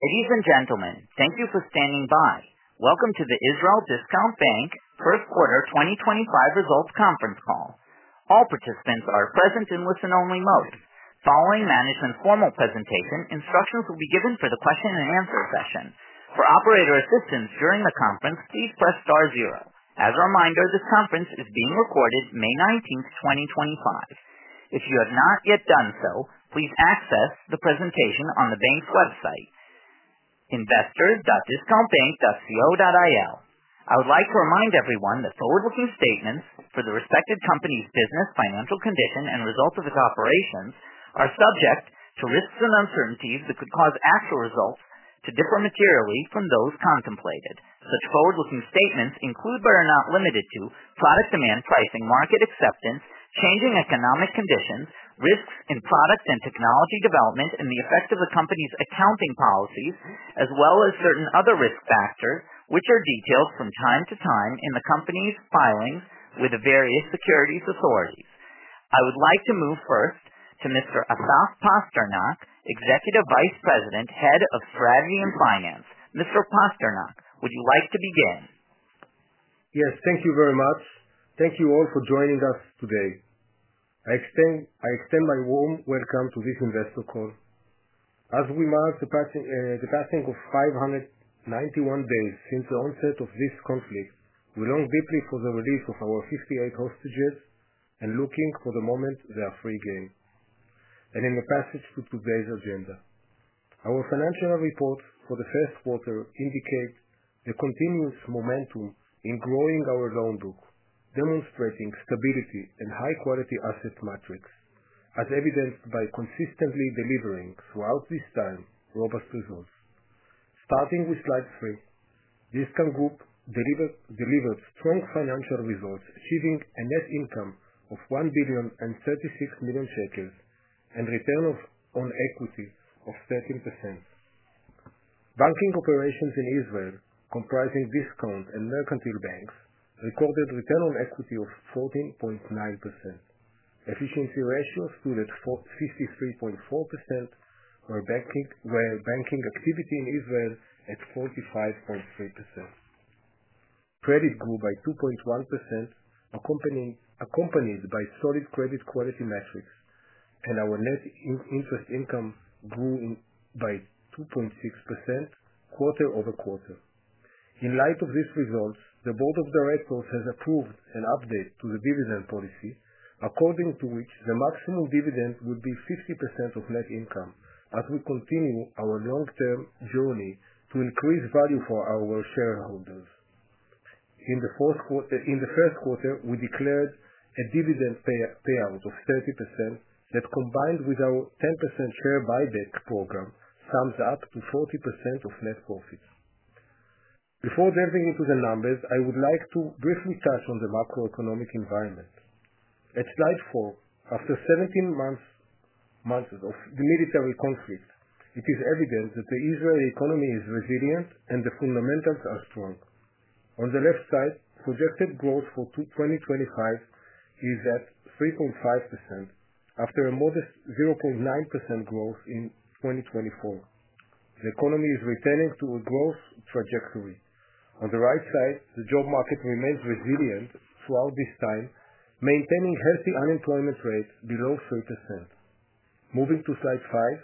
Ladies and gentlemen, thank you for standing by. Welcome to the Israel Discount Bank First Quarter 2025 Results Conference Call. All participants are present in listen-only mode. Following management's formal presentation, instructions will be given for the question-and-answer session. For operator assistance during the conference, please press star zero. As a reminder, this conference is being recorded May 19, 2025. If you have not yet done so, please access the presentation on the bank's website, investor.discountbank.co.il. I would like to remind everyone that forward-looking statements for the respected company's business, financial condition, and results of its operations are subject to risks and uncertainties that could cause actual results to differ materially from those contemplated. Such forward-looking statements include, but are not limited to, product demand, pricing, market acceptance, changing economic conditions, risks in product and technology development, and the effect of the company's accounting policies, as well as certain other risk factors, which are detailed from time to time in the company's filings with the various securities authorities. I would like to move first to Mr. Asaf Pasternak, Executive Vice President, Head of Strategy and Finance. Mr. Pasternak, would you like to begin? Yes, thank you very much. Thank you all for joining us today. I extend my warm welcome to this investor call. As we mark the passing of 591 days since the onset of this conflict, we long deeply for the release of our 58 hostages and looking for the moment they are free again. In a passage to today's agenda, our financial reports for the first quarter indicate a continuous momentum in growing our loan book, demonstrating stability and high-quality asset metrics, as evidenced by consistently delivering, throughout this time, robust results. Starting with slide three, this group delivered strong financial results, achieving a net income of 1.036 billion and return on equity of 13%. Banking operations in Israel, comprising Discount and Mercantile banks, recorded return on equity of 14.9%. Efficiency ratios stood at 53.4%, with banking activity in Israel at 45.3%. Credit grew by 2.1%, accompanied by solid credit quality metrics, and our net interest income grew by 2.6% quarter over quarter. In light of these results, the Board of Directors has approved an update to the dividend policy, according to which the maximum dividend would be 50% of net income as we continue our long-term journey to increase value for our shareholders. In the first quarter, we declared a dividend payout of 30% that, combined with our 10% share buyback program, sums up to 40% of net profits. Before delving into the numbers, I would like to briefly touch on the macroeconomic environment. At slide four, after 17 months of military conflict, it is evident that the Israeli economy is resilient and the fundamentals are strong. On the left side, projected growth for 2025 is at 3.5%, after a modest 0.9% growth in 2024. The economy is returning to a growth trajectory. On the right side, the job market remains resilient throughout this time, maintaining healthy unemployment rates below 3%. Moving to slide five.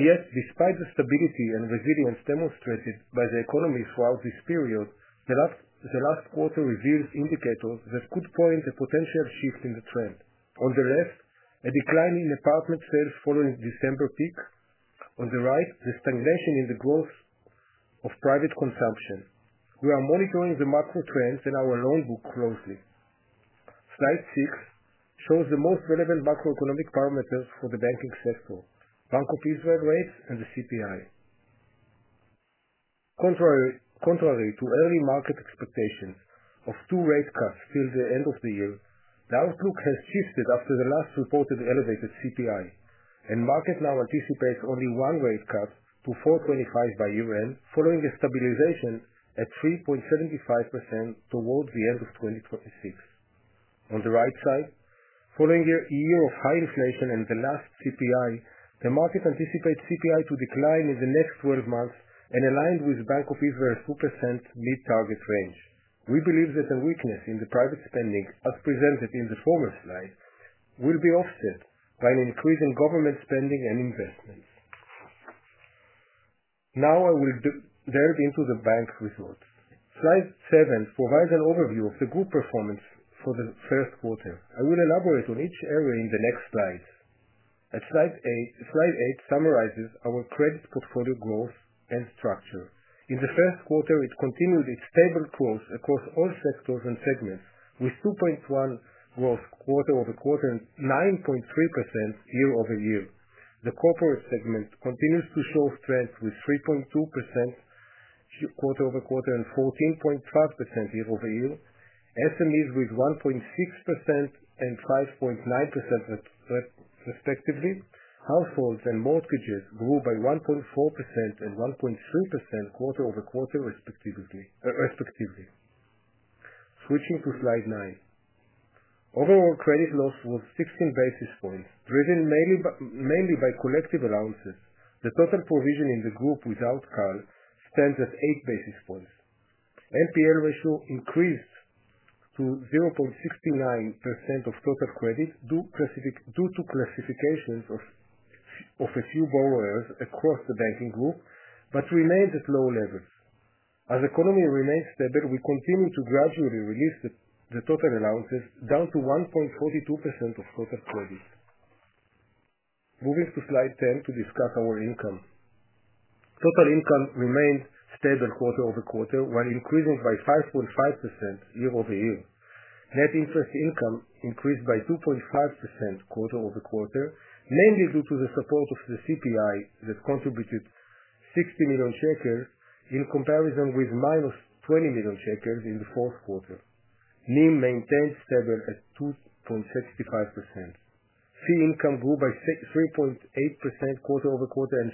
Yet, despite the stability and resilience demonstrated by the economy throughout this period, the last quarter reveals indicators that could point a potential shift in the trend. On the left, a decline in apartment sales following December peak. On the right, the stagnation in the growth of private consumption. We are monitoring the macro trends in our loan book closely. Slide six shows the most relevant macroeconomic parameters for the banking sector: Bank of Israel rates and the CPI. Contrary to early market expectations of two rate cuts till the end of the year, the outlook has shifted after the last reported elevated CPI, and market now anticipates only one rate cut to 4.25% by year-end, following a stabilization at 3.75% towards the end of 2026. On the right side, following a year of high inflation and the last CPI, the market anticipates CPI to decline in the next 12 months and align with Bank of Israel's 2% mid-target range. We believe that the weakness in the private spending, as presented in the former slide, will be offset by an increase in government spending and investments. Now I will delve into the bank's results. Slide seven provides an overview of the good performance for the first quarter. I will elaborate on each area in the next slides. At slide eight, slide eight summarizes our credit portfolio growth and structure. In the first quarter, it continued its stable growth across all sectors and segments, with 2.1% growth quarter over quarter and 9.3% year over year. The corporate segment continues to show strength with 3.2% quarter over quarter and 14.5% year over year. SMEs with 1.6% and 5.9% respectively. Households and mortgages grew by 1.4% and 1.3% quarter over quarter respectively. Switching to slide nine, overall credit loss was 16 basis points, driven mainly by collective allowances. The total provision in the group without KAL stands at 8 basis points. NPL ratio increased to 0.69% of total credit due to classifications of a few borrowers across the banking group, but remained at low levels. As the economy remained stable, we continued to gradually release the total allowances down to 1.42% of total credit. Moving to slide 10 to discuss our income. Total income remained stable quarter over quarter, while increasing by 5.5% year over year. Net interest income increased by 2.5% quarter over quarter, mainly due to the support of the CPI that contributed 60 million shekels in comparison with minus 20 million shekels in the fourth quarter. NIM maintained stable at 2.65%. Fee income grew by 3.8% quarter over quarter and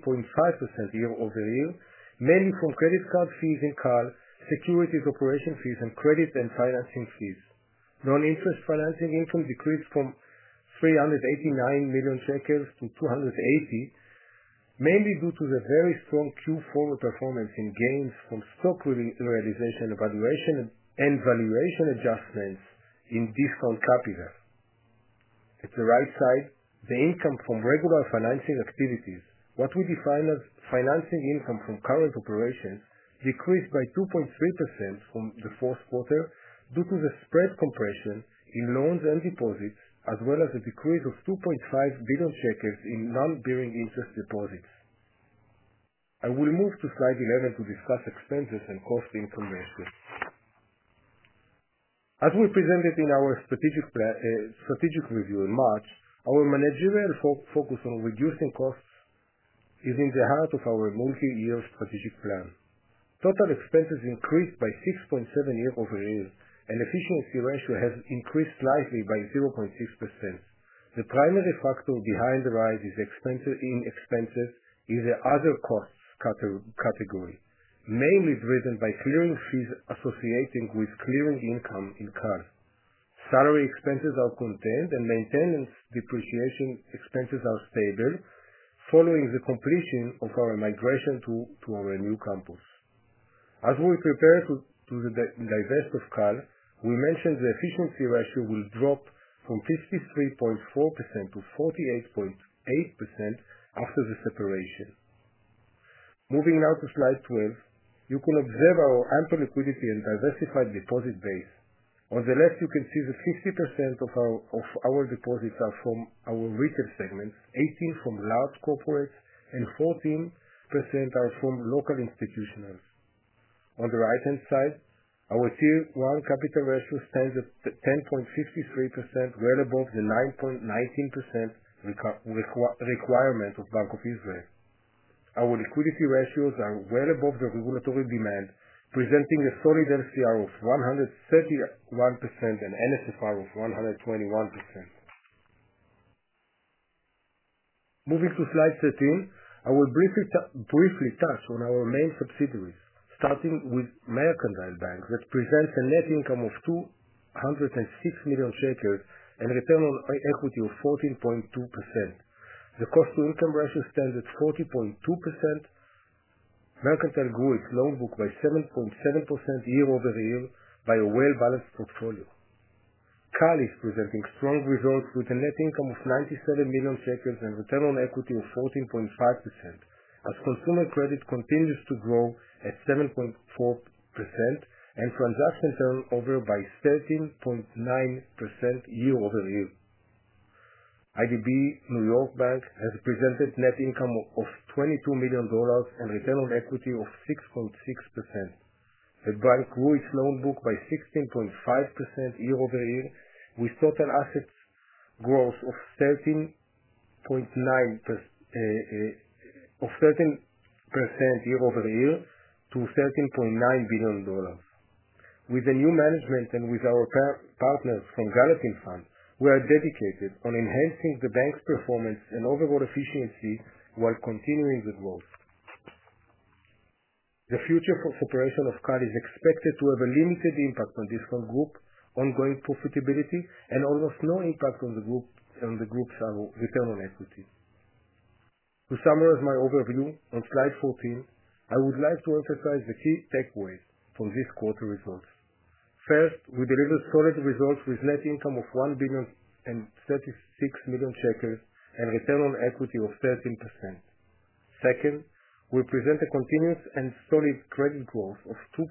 15.5% year over year, mainly from credit card fees and KAL, securities operation fees, and credit and financing fees. Non-interest financing income decreased from 389 million shekels to 280 million, mainly due to the very strong Q4 performance in gains from stock realization and valuation adjustments in Discount Capital Ltd. At the right side, the income from regular financing activities, what we define as financing income from current operations, decreased by 2.3% from the fourth quarter due to the spread compression in loans and deposits, as well as a decrease of 2.5 billion shekels in non-bearing interest deposits. I will move to slide 11 to discuss expenses and cost incrementation. As we presented in our strategic review in March, our managerial focus on reducing costs is in the heart of our multi-year strategic plan. Total expenses increased by 6.7% year over year, and efficiency ratio has increased slightly by 0.6%. The primary factor behind the rise in expenses is the other costs category, mainly driven by clearing fees associated with clearing income in KAL. Salary expenses are contained, and maintenance depreciation expenses are stable following the completion of our migration to our new campus. As we prepare to divest of KAL, we mentioned the efficiency ratio will drop from 53.4% to 48.8% after the separation. Moving now to slide 12, you can observe our ample liquidity and diversified deposit base. On the left, you can see that 50% of our deposits are from our retail segments, 18% from large corporates, and 14% are from local institutions. On the right-hand side, our tier one capital ratio stands at 10.53%, well above the 9.19% requirement of Bank of Israel. Our liquidity ratios are well above the regulatory demand, presenting a solid LCR of 131% and an NSFR of 121%. Moving to slide 13, I will briefly touch on our main subsidiaries, starting with Mercantile Bank, that presents a net income of 206 million shekels and return on equity of 14.2%. The cost-to-income ratio stands at 40.2%. Mercantile grew its loan book by 7.7% year over year by a well-balanced portfolio. KAL is presenting strong results with a net income of 97 million shekels and return on equity of 14.5%, as consumer credit continues to grow at 7.4% and transaction turnover by 13.9% year over year. IDB New York Bank has presented net income of $22 million and return on equity of 6.6%. The bank grew its loan book by 16.5% year over year, with total assets growth of 13.9% year over year to $13.9 billion. With the new management and with our partners from Gallatin Fund, we are dedicated to enhancing the bank's performance and overall efficiency while continuing the growth. The future separation of KAL is expected to have a limited impact on Discount Group ongoing profitability and almost no impact on the group's return on equity. To summarize my overview on slide 14, I would like to emphasize the key takeaways from these quarter results. First, we delivered solid results with net income of 1 billion and 36 million and return on equity of 13%. Second, we present a continuous and solid credit growth of 2.1%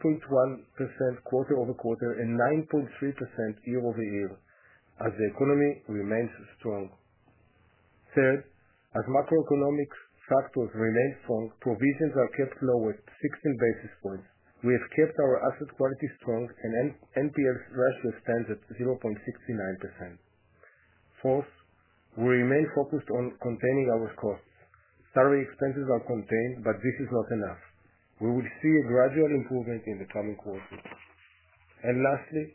quarter over quarter and 9.3% year over year as the economy remains strong. Third, as macroeconomic factors remain strong, provisions are kept low at 16 basis points. We have kept our asset quality strong, and NPL ratio stands at 0.69%. Fourth, we remain focused on containing our costs. Salary expenses are contained, but this is not enough. We will see a gradual improvement in the coming quarter. Lastly,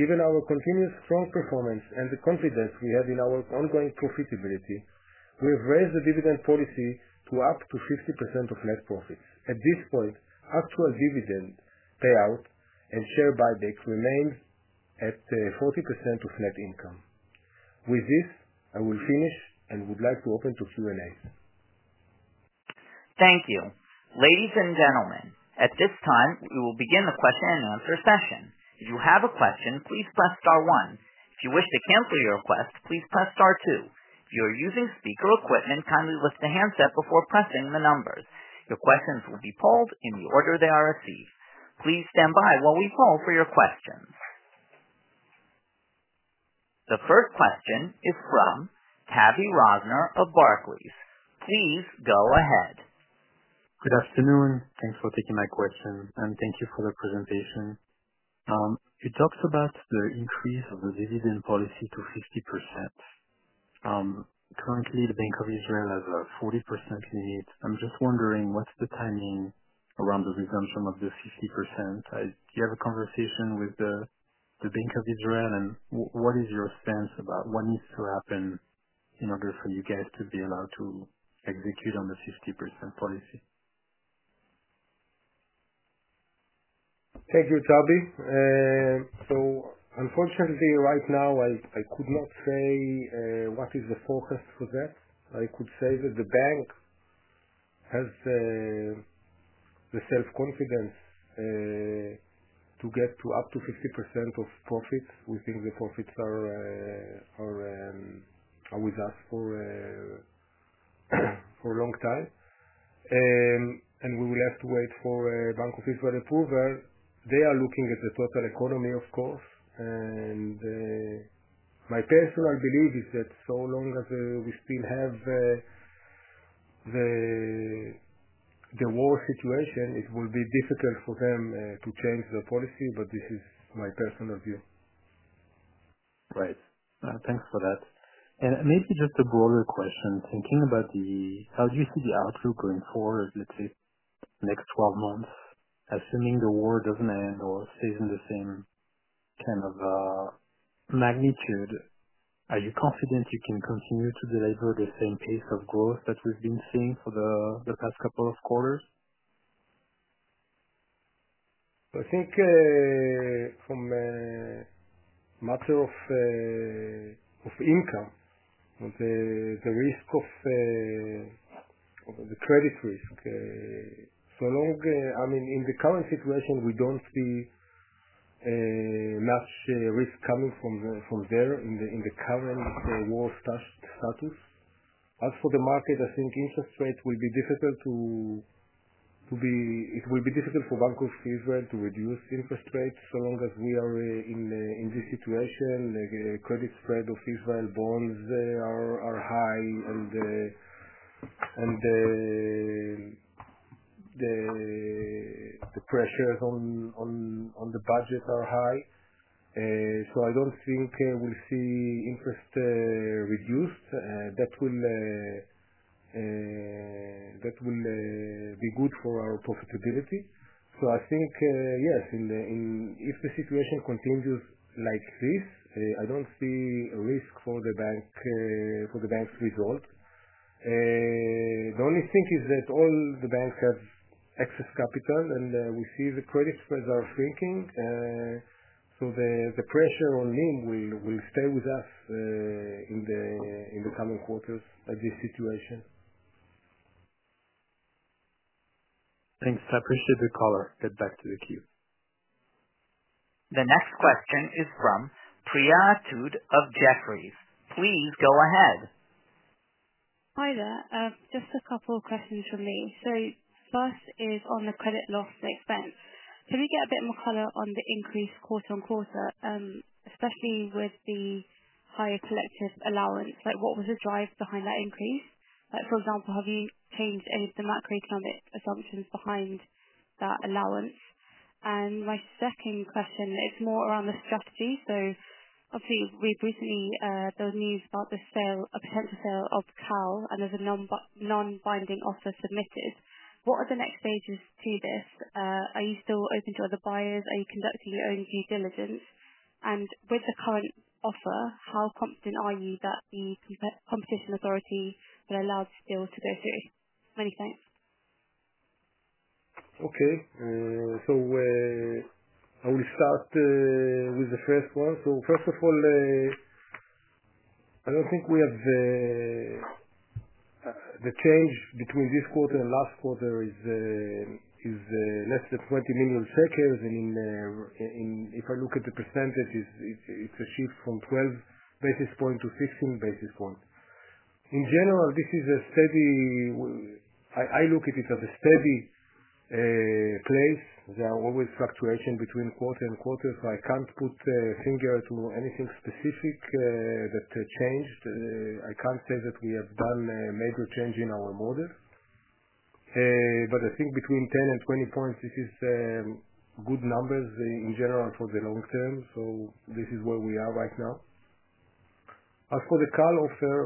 given our continuous strong performance and the confidence we have in our ongoing profitability, we have raised the dividend policy to up to 50% of net profits. At this point, actual dividend payout and share buyback remain at 40% of net income. With this, I will finish and would like to open to Q&A. Thank you. Ladies and gentlemen, at this time, we will begin the question and answer session. If you have a question, please press star one. If you wish to cancel your request, please press star two. If you are using speaker equipment, kindly lift the handset before pressing the numbers. Your questions will be polled in the order they are received. Please stand by while we poll for your questions. The first question is from Tavi Rosner of Barclays. Please go ahead. Good afternoon. Thanks for taking my question, and thank you for the presentation. You talked about the increase of the dividend policy to 50%. Currently, the Bank of Israel has a 40% limit. I'm just wondering what's the timing around the resumption of the 50%? Did you have a conversation with the Bank of Israel, and what is your sense about what needs to happen in order for you guys to be allowed to execute on the 50% policy? Thank you, Tavi. Unfortunately, right now, I could not say what is the focus for that. I could say that the bank has the self-confidence to get up to 50% of profits. We think the profits are with us for a long time, and we will have to wait for Bank of Israel approval. They are looking at the total economy, of course. My personal belief is that so long as we still have the war situation, it will be difficult for them to change the policy, but this is my personal view. Right. Thanks for that. Maybe just a broader question. Thinking about how do you see the outlook going forward, let's say, next 12 months, assuming the war doesn't end or stays in the same kind of magnitude, are you confident you can continue to deliver the same pace of growth that we've been seeing for the past couple of quarters? I think from a matter of income, the risk of the credit risk, so long, I mean, in the current situation, we do not see much risk coming from there in the current war status. As for the market, I think interest rates will be difficult to be, it will be difficult for Bank of Israel to reduce interest rates so long as we are in this situation. The credit spread of Israel bonds are high, and the pressures on the budget are high. I do not think we will see interest reduced. That will be good for our profitability. I think, yes, if the situation continues like this, I do not see a risk for the bank's result. The only thing is that all the banks have excess capital, and we see the credit spreads are shrinking. The pressure on NIM will stay with us in the coming quarters at this situation. Thanks. I appreciate the caller. Get back to the queue. The next question is from Priyatut of Jefferies. Please go ahead. Hi there. Just a couple of questions from me. First is on the credit loss expense. Can we get a bit more color on the increase quarter on quarter, especially with the higher collective allowance? What was the drive behind that increase? For example, have you changed any of the macroeconomic assumptions behind that allowance? My second question, it's more around the strategy. Obviously, we've recently had the news about a potential sale of KAL, and there's a non-binding offer submitted. What are the next stages to this? Are you still open to other buyers? Are you conducting your own due diligence? With the current offer, how confident are you that the competition authority will allow the sale to go through? Many thanks. Okay. I will start with the first one. First of all, I do not think we have the change between this quarter and last quarter is less than 20 million. If I look at the percentages, it is a shift from 12 basis points to 16 basis points. In general, this is a steady, I look at it as a steady place. There are always fluctuations between quarter and quarter, so I cannot put a finger to anything specific that changed. I cannot say that we have done a major change in our model. I think between 10 and 20 basis points, these are good numbers in general for the long term. This is where we are right now. As for the KAL offer,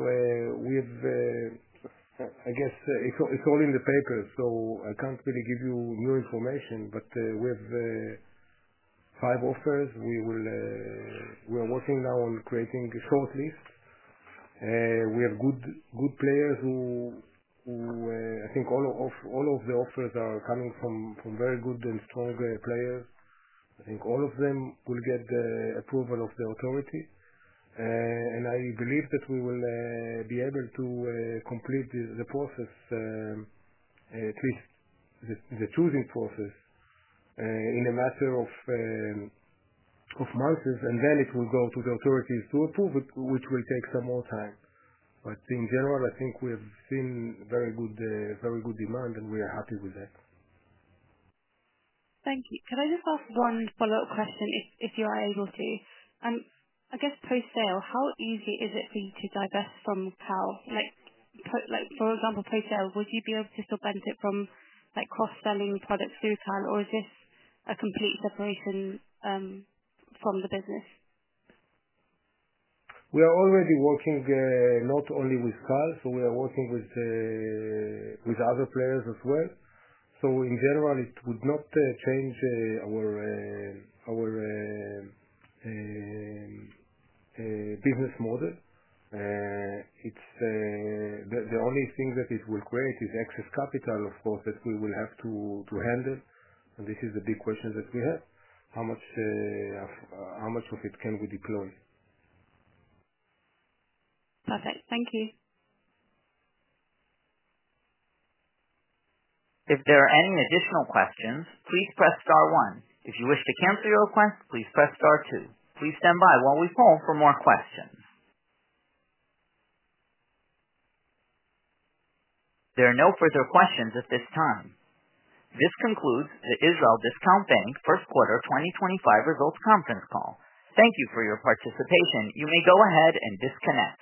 I guess it is all in the papers, so I cannot really give you new information, but we have five offers. We are working now on creating a shortlist. We have good players who I think all of the offers are coming from very good and strong players. I think all of them will get approval of the authority. I believe that we will be able to complete the process, at least the choosing process, in a matter of months. It will go to the authorities to approve it, which will take some more time. In general, I think we have seen very good demand, and we are happy with that. Thank you. Can I just ask one follow-up question, if you are able to? I guess post-sale, how easy is it for you to divest from KAL? For example, post-sale, would you be able to still benefit from cross-selling products through KAL, or is this a complete separation from the business? We are already working not only with KAL, we are working with other players as well. In general, it would not change our business model. The only thing that it will create is excess capital, of course, that we will have to handle. This is the big question that we have: how much of it can we deploy? Perfect. Thank you. If there are any additional questions, please press star one. If you wish to cancel your request, please press star two. Please stand by while we poll for more questions. There are no further questions at this time. This concludes the Israel Discount Bank First Quarter 2025 Results Conference Call. Thank you for your participation. You may go ahead and disconnect.